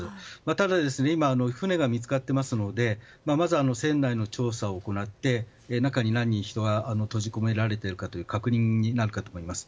ただ、今は船が見つかっていますのでまず船内の調査を行って中に何人人が閉じ込められているかという確認になるかと思います。